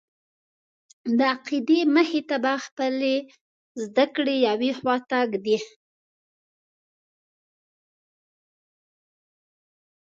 د عقیدې مخې ته به خپلې زده کړې یوې خواته ږدې.